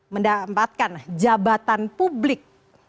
mendapatkan jabatan publik